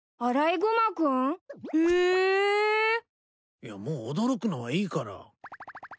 いやもう驚くのはいいから。